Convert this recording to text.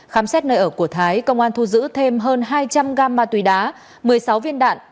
khám xét nơi ở của thái công an thu giữ thêm hơn hai trăm linh gam ma túy đá một mươi sáu viên đạn